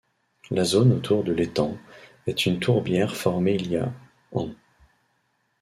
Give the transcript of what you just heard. La zone autour de l'étang est une tourbière formée il y a ans.